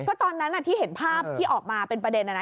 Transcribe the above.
ก็ตอนนั้นที่เห็นภาพที่ออกมาเป็นประเด็น